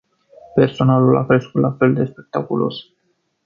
Personalul a crescut la fel de spectaculos.